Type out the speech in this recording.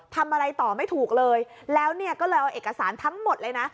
ทำอะไรต่อไม่ถูกเลยแล้วเนี่ยก็เลยเอาเอกสารทั้งหมดเลยนะ